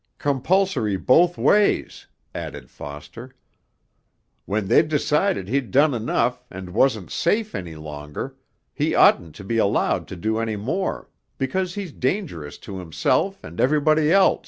'Compulsory both ways,' added Foster: 'when they'd decided he'd done enough, and wasn't safe any longer, he oughtn't to be allowed to do any more because he's dangerous to himself and everybody else.'